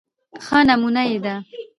ښه نمونه يې د